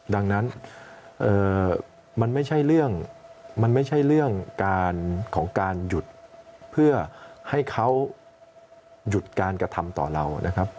ดังนั้นมันไม่ใช่เรื่องของการหยุดเพื่อให้เขาหยุดการกระทำต่อเรานะครับ